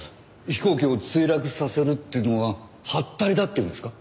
飛行機を墜落させるっていうのがはったりだっていうんですか？